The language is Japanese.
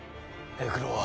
平九郎は？